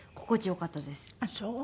ああそう。